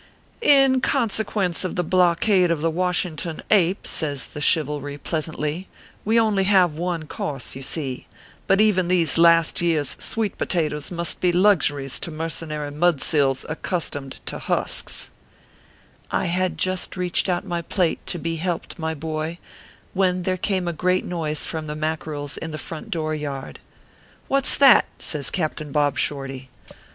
" In consequence of the blockade of the Washing ton Ape," says the Chivalry, pleasantly, "we only have one course, you see ; but even these last year s sweet potatoes must" be luxuries to mercenary mud sills accustomed to husks/ I had just reached out my plate, to be helped, my boy, when there came a great noise from the Mack erels in the front door yard. " What s that ?" says Captain Bob Shorty.